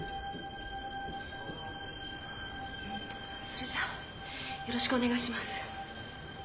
それじゃあよろしくお願いします。